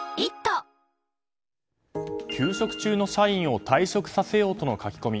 休職中の社員を退職させようとの書き込み。